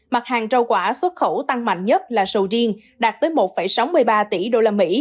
mặt hàng rau quả xuất khẩu tăng mạnh nhất là sầu riêng đạt tới một sáu mươi ba tỷ usd